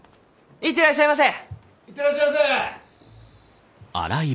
行ってらっしゃいませ！